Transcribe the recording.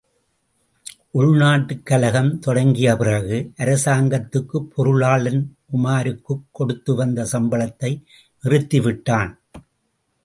உள்நாட்டுக் கலகம் தொடங்கிய பிறகு, அரசாங்கத்துப் பொருளாளன் உமாருக்குக் கொடுத்து வந்த சம்பளத்தை நிறுத்திவிட்டான்.